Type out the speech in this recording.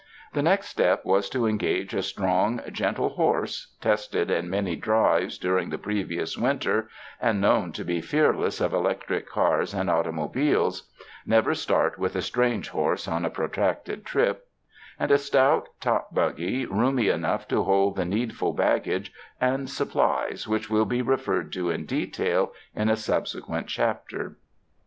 The next step was to engage a strong, gentle horse tested in many drives during the previous winter and known to be fearless of electric cars and automobiles — never start with a strange horse on a protracted trip — and a stout top buggy roomy enough to hold the needful baggage and supplies which will be referred to in detail in a subsequent chapter.